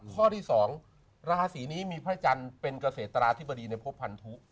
เพราะที่สองราศีนี้มีพระจันทร์เป็นเกษตราที่บรีในพบพันธุ